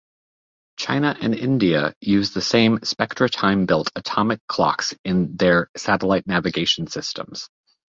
China and India use the same SpectraTime-built atomic clocks in their satellite navigation systems.